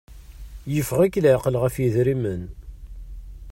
Yeffeɣ-ik laɛqel ɣef idrimen.